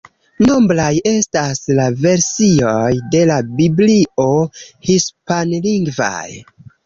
Nombraj estas la versioj de la Biblio hispanlingvaj.